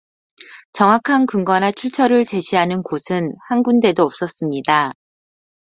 정확한 근거나 출처를 제시하는 곳은 한 군데도 없었습니다.